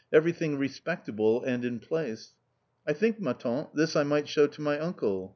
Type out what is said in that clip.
Everything respectable, and in place. " I think, ma tante^ this I might show to my uncle."